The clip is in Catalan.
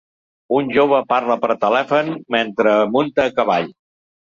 Un jove parla per telèfon mentre munta a cavall.